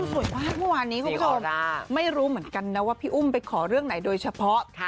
โสดแบบมาไม่รู้เหมือนกันนะว่าพี่อุ้ม้์ไม่ขอเรื่องไหนโดยเฉพาะ